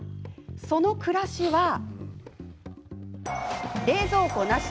その暮らしは冷蔵庫なし！